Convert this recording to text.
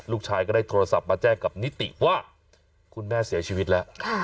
ลูกชายก็ได้โทรศัพท์มาแจ้งกับนิติว่าคุณแม่เสียชีวิตแล้ว